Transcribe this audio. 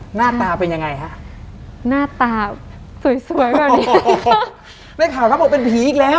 หน้าตาเป็นยังไงฮะหน้าตาสวยสวยแบบนี้ได้ข่าวแล้วบอกเป็นผีอีกแล้ว